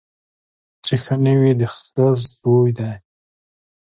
چي ښه نه وي د خره زوی دی